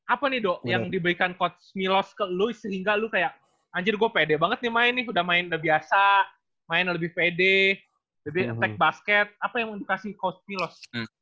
apa nih do yang diberikan coach milos ke lu sehingga lu kayak anjir gua pede banget nih main nih udah main lebih biasa main lebih pede lebih efek basket apa yang mengindukasi coach milos